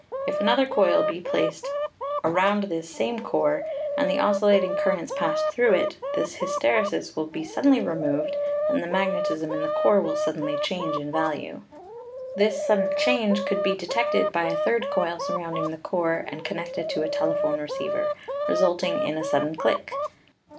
If another coil be placed around this same core and the oscillating currents passed through it, this hysteresis will be suddenly removed and the magnetism in the core will suddenly change in value. This sudden change could be detected by a third coil surrounding the core and con nected to a telephone receiver, resulting in a sudden click.